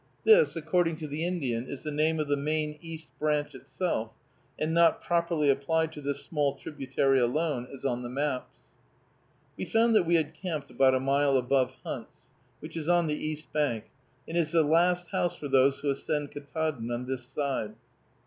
This, according to the Indian, is the name of the main East Branch itself, and not properly applied to this small tributary alone, as on the maps. We found that we had camped about a mile above Hunt's, which is on the east bank, and is the last house for those who ascend Ktaadn on this side.